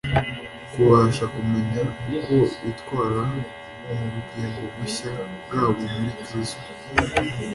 kubafasha kumenya uko bitwara mu bugingo bushya bwabo muri kristo.